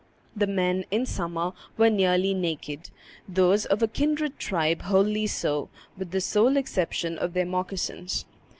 The men, in summer, were nearly naked, those of a kindred tribe wholly so, with the sole exception of their moccasins.